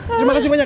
terima kasih banyak